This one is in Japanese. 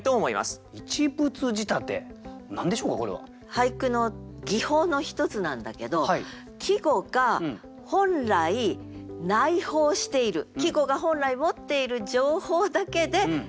俳句の技法の一つなんだけど季語が本来内包している季語が本来持っている情報だけで一句を詠む。